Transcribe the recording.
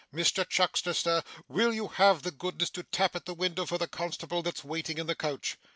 Mr Chuckster, sir, will you have the goodness to tap at the window for the constable that's waiting in the coach?